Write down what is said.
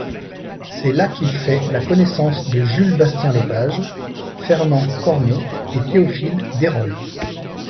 C'est là qu'il fait la connaissance de Jules Bastien-Lepage, Fernand Cormon et Théophile Deyrolle.